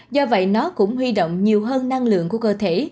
do vậy nó cũng huy động nhiều hơn năng lượng của cơ thể